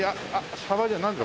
サバじゃないなんだ？